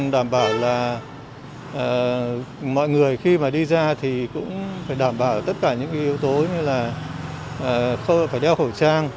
đảm bảo là mọi người khi mà đi ra thì cũng phải đảm bảo tất cả những yếu tố như là phải đeo khẩu trang